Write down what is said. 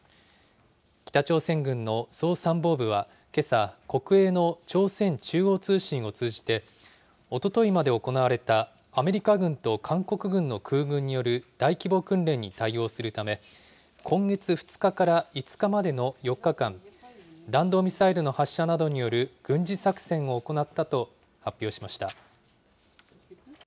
北朝鮮軍の総参謀部はけさ、国営の朝鮮中央通信を通じて、おとといまで行われたアメリカ軍と韓国軍の空軍による大規模訓練に対応するため、今月２日から５日までの４日間、弾道ミサイルの発射などによる軍事作戦を行ったと発表しました。